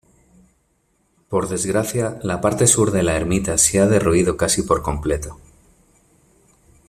Por desgracia, la parte sur de la ermita se ha derruido casi por completo.